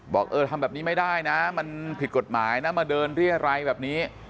บอกเออทำแบบนี้ไม่ได้นะมันผิดกฎหมายนะมาเดินเรียรัยแบบนี้